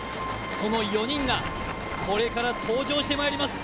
その４人がこれから登場してまいります。